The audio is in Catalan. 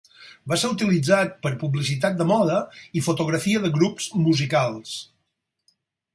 Va ser utilitzat per publicitat de moda i fotografia de grups musicals.